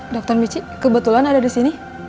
dokter michi kebetulan ada di sini